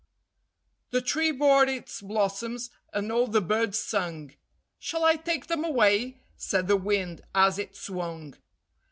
The tree bore its blossoms, and all the birds sung: "Shall I take them away?" said the Wind, as it swung.